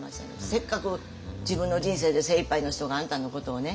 せっかく自分の人生で精いっぱいの人があんたのことをね